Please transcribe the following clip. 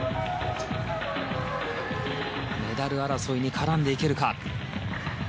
メダル争いに絡んでいけるか。